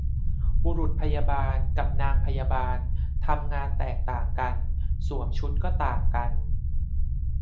บุรุษพยาบาล กับนางพยาบาล ทำงานแตกต่างกัน สวมชุดก็ต่างกัน